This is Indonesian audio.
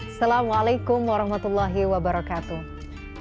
assalamualaikum warahmatullahi wabarakatuh